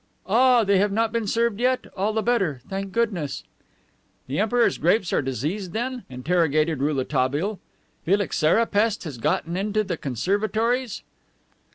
"Ah, they have not been served yet? All the better. Thank goodness!" "The Emperor's grapes are diseased, then?" interrogated Rouletabille. "Phylloxera pest has got into the conservatories?"